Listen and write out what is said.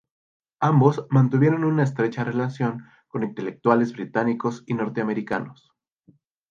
Ambos mantuvieron una estrecha relación con intelectuales británicos y norteamericanos.